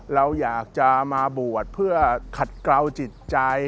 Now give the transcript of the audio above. เราอยากจะมาบวชเพื่อขัดเกลาจิตใจ